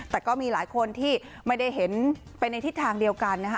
แต่ก็มีหลายคนที่ไม่ได้เห็นไปในทิศทางเดียวกันนะคะ